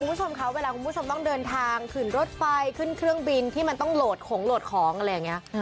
คุณผู้ชมคะเวลาคุณผู้ชมต้องเดินทางขึ้นรถไฟขึ้นเครื่องบินที่มันต้องโหลดของโหลดของอะไรอย่างนี้